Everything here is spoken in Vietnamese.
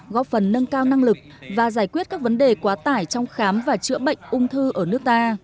góp phần nâng cao năng lực và giải quyết các vấn đề quá tải trong khám và chữa bệnh ung thư ở nước ta